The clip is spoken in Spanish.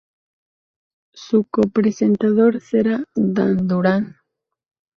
Su co-presentador será Dan Duran.